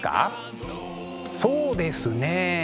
そうですね。